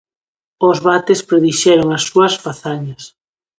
Os vates predixeron as súas fazañas.